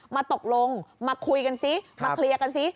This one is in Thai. มาตกลงมาคุยกันซิมาเคลียร์กันซิ